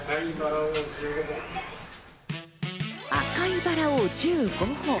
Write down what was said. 赤いバラを１５本。